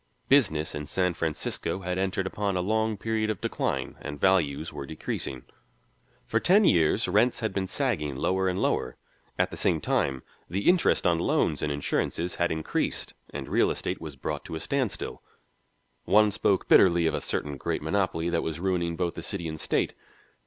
Business in San Francisco had entered upon a long period of decline, and values were decreasing; for ten years rents had been sagging lower and lower. At the same time the interest on loans and insurances had increased, and real estate was brought to a standstill; one spoke bitterly of a certain great monopoly that was ruining both the city and state.